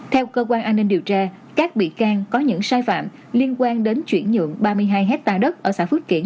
theo cơ quan an ninh điều tra các bị can có những sai phạm liên quan đến chuyển nhượng ba mươi hai hectare đất ở xã phước kiển